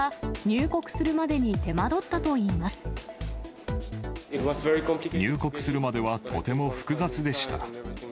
入国するまではとても複雑でした。